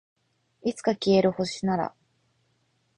いつか消える星なら